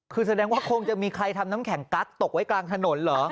คือแสดงว่าคงจะมีใครทำน้ำแข็งกั๊ดตกไว้กลางถนนเหรอ